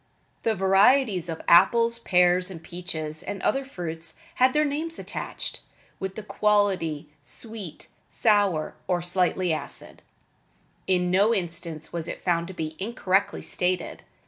The varieties of apples, pears, peaches and other fruits had their names attached, with the quality, sweet, sour, or slightly acid. In no instance was it found to be incorrectly stated.